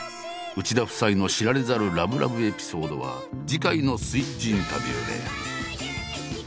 内田夫妻の知られざるラブラブエピソードは次回の「ＳＷＩＴＣＨインタビュー」で。